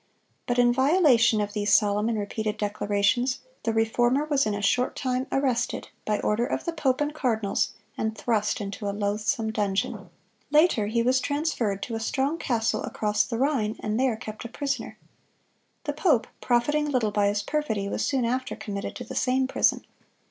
But in violation of these solemn and repeated declarations, the Reformer was in a short time arrested, by order of the pope and cardinals, and thrust into a loathsome dungeon. Later he was transferred to a strong castle across the Rhine, and there kept a prisoner. The pope, profiting little by his perfidy, was soon after committed to the same prison.